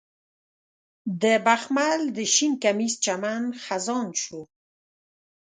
د بخمل د شین کمیس چمن خزان شو